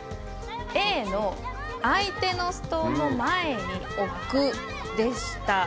Ａの相手のストーンの前に置くでした。